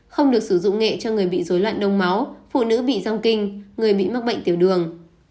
không được sử dụng nghệ cho người bị dối loạn đông máu phụ nữ bị răng kinh người bị mắc bệnh tiểu đường